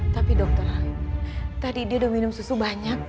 tapi dokter tadi dia udah minum susu banyak